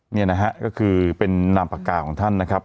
นี่นะฮะก็คือเป็นนามปากกาของท่านนะครับ